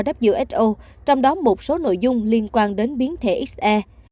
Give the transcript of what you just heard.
họ đã truyền báo cáo văn tắc cho who trong đó một số nội dung liên quan đến biến thể xe